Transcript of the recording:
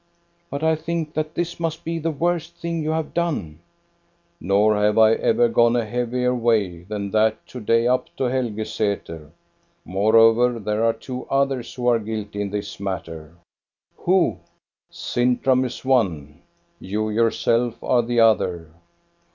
" "But I think that this must be the worst thing you have done." "Nor have I ever gone a heavier way than that to day up to Helgesater. Moreover, there are two others who are guilty in this matter." "Who.?" " Sintram is one, you yourself are the other.